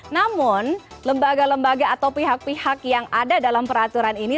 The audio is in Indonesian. namun lembaga lembaga atau pihak pihak yang ada dalam peraturan ini